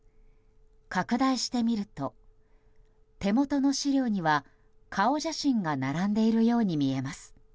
拡大してみると手元の資料には顔写真が並んでいるように見えます。